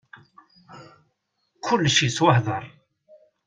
Kulec yettwahdar.